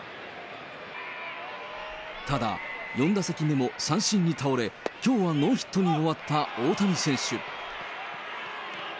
ただ、４打席目も三振に倒れ、きょうはノーヒットに終わった大谷選手。